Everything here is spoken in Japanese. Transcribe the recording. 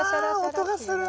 あ音がする。